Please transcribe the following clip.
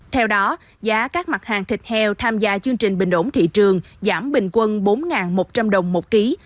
theo đó giá các mặt hàng thịt heo tham gia chương trình bình ổn thị trường giảm bình quân bốn một trăm linh đồng một ký